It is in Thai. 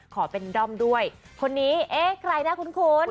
ขอเป็นด้อมด้วยคนนี้ใครนะคุณคุณ